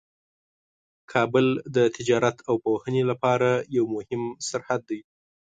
کابل د تجارت او پوهنې لپاره یوه مهمه سرحد ده.